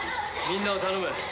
みんなを頼む。